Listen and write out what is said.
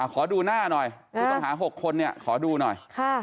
ขอดูหน้าหน่อยผู้ต้องหา๖คนเนี่ยขอดูหน่อย